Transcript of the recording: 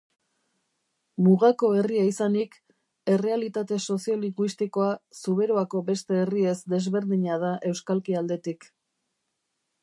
Mugako herria izanik, errealitate soziolinguistikoa Zuberoako beste herriez desberdina da euskalki aldetik.